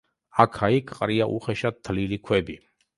აქა-იქ ყრია უხეშად თლილი ქვები.